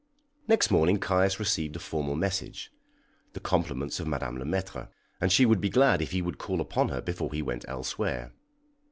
Next morning Caius received a formal message the compliments of Madame Le Maître, and she would be glad if he would call upon her before he went elsewhere.